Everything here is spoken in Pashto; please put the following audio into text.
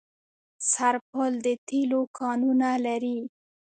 سرپل د تیلو کانونه لري